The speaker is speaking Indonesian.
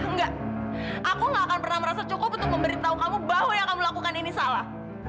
enggak aku gak akan pernah merasa cukup untuk memberitahu kamu bahwa yang kamu lakukan ini salah